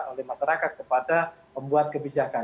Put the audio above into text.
oleh masyarakat kepada pembuat kebijakan